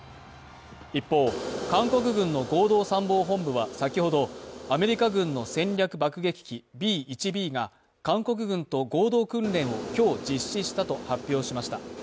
一方、韓国軍の合同参謀本部は先ほどアメリカ軍の戦略爆撃機Ｂ１Ｂが韓国軍と合同訓練を今日実施したと発表しました。